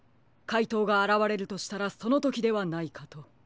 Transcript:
かいとうがあらわれるとしたらそのときではないかと。